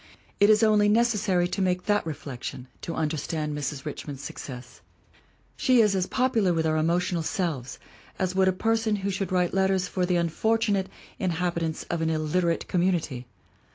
It is only necessary to make that reflection to understand Mrs. Richmond's success. She is as popu lar with our emotional selves as would be a person who should write letters for the unfortunate inhabitants of an illiterate community.